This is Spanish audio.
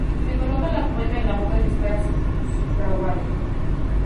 Se coloca la cubeta en la boca y se espera su fraguado.